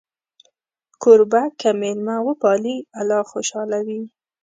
کوربه که میلمه وپالي، الله خوشحاله وي.